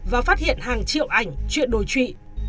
và phát hiện hàng triệu ảnh chuyện đồ trị